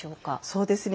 そうですね。